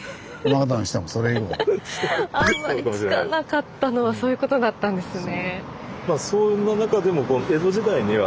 あんまり聞かなかったのはそういうことだったんですね。